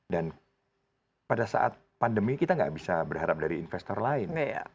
dan pada saat pandemi kita nggak bisa berharap dari investor lain